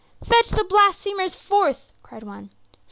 "Fetch the blasphemers forth!" cried one.